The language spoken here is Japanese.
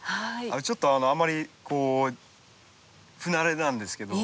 ちょっとあんまり不慣れなんですけど。